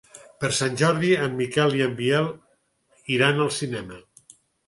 Per Sant Jordi en Miquel i en Biel iran al cinema.